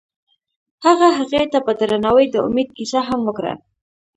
هغه هغې ته په درناوي د امید کیسه هم وکړه.